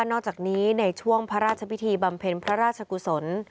นอกจากนี้ในช่วงพระราชพิธีบำเพ็ญพระราชกุศล